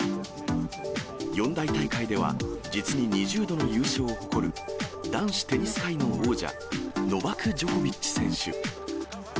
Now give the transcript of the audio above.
四大大会では実に２０度の優勝を誇る、男子テニス界の王者、ノバク・ジョコビッチ選手。